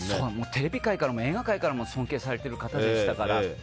テレビ界からも映画界からも尊敬されてる方ですから。